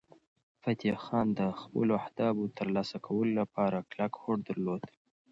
فتح خان د خپلو اهدافو د ترلاسه کولو لپاره کلک هوډ درلود.